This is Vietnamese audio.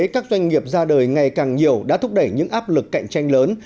các doanh nghiệp ra đời ngày càng nhiều đã thúc đẩy những áp lực cạnh tranh lớn